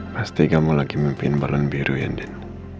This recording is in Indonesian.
pasti kamu lagi memimpin balon biru ya din